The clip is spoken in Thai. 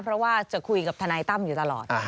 เพราะว่าจะคุยกับทนายตั้มอยู่ตลอด